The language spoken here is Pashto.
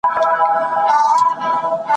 که د سهار ورک ماښام کور ته راسي هغه ورک نه دئ ,